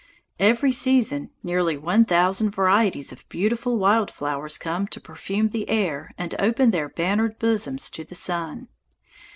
Every season nearly one thousand varieties of beautiful wild flowers come to perfume the air and open their "bannered bosoms to the sun."